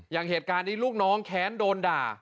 อย่างเหตุการณ์นี้ลูกน้องแค้นโดนด่า